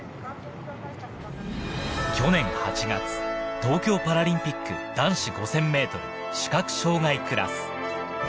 去年８月、東京パラリンピック男子５０００ｍ視覚障害クラス。